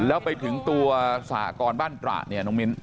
แล้วไปถึงตัวสหกรบ้านตระเนี่ยน้องมิ้น